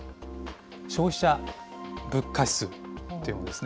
消費者物価指数というものですね。